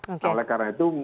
oleh karena itu